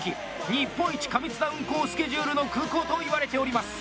日本一過密な運航スケジュールの空港といわれております。